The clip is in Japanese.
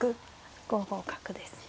５五角ですね。